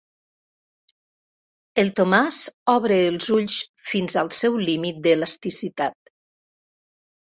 El Tomàs obre els ulls fins al seu límit d'elasticitat.